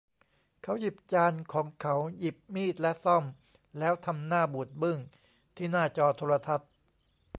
เขาหยิบจานของเขาหยิบมีดและส้อมแล้วทำหน้าบูดบึ้งที่หน้าจอโทรทัศน์